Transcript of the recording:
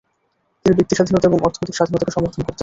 তিনি ব্যক্তি স্বাধীনতা এবং অর্থনৈতিক স্বাধীনতাকে সমর্থন করতেন।